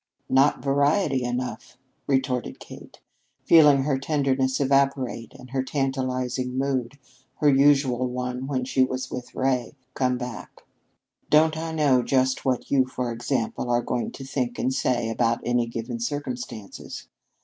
"Not variety enough," retorted Kate, feeling her tenderness evaporate and her tantalizing mood her usual one when she was with Ray come back. "Don't I know just what you, for example, are going to think and say about any given circumstances?